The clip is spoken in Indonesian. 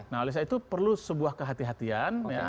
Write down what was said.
nah oleh sebab itu perlu sebuah kehatian